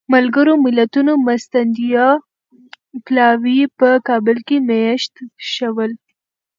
ملګرو ملتونو مرستندویه پلاوی په کابل کې مېشت شول.